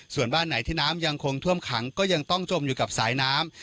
ส่วนบ้านไหนที่น้ำยังคงท่วมขังก็ยังต้องจมอยู่กับสายน้ำ